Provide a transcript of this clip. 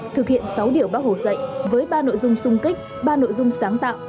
thực hiện sáu điều bác hồ dạy với ba nội dung sung kích ba nội dung sáng tạo